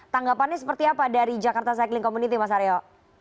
tanggapannya seperti apa dari jakarta cycling community mas aryo